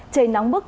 trời nóng bức